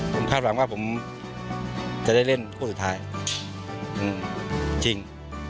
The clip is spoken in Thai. ผมคาดหวังว่าผมจะได้เล่นคู่สุดท้ายจริง